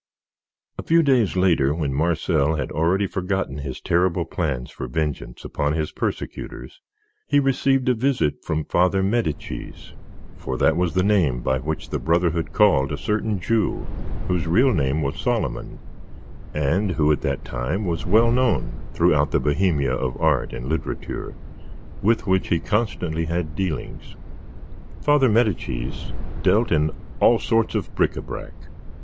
A few days later, when Marcel had already forgotten his terrible plans for vengeance upon his persecutors, he received a visit from Father Medicis. For that was the name by which the brotherhood called a certain Jew, whose real name was Soloman, and who at that time was well known throughout the bohemia of art and literature, with which he constantly had dealings. Father Medicis dealt in all sorts of bric à brac.